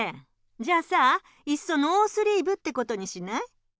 じゃあさいっそノースリーブってことにしない？